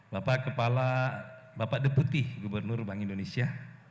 bapak kepala bapak deputi gubernur bank indonesia